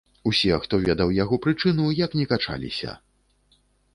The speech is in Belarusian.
Усе, хто ведаў яго прычыну, як не качаліся.